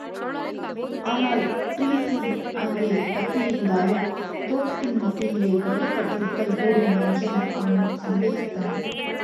ஆனால், டிரீஸி அங்கே தப்பியிருந்தாலும் தோட்டத்தின் மத்தியிலே கொல்லப்பட்டிருந்தல் கூடும் என்றும் அவன் சந்தேகித்தான்.